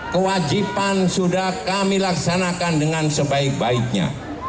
kewajiban sudah kami laksanakan dengan sebaik baiknya